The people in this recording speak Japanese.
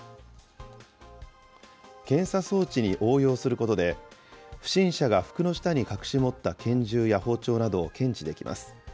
検査装置に応用することで、不審者が服の下に隠し持った拳銃や包丁などを検知できます。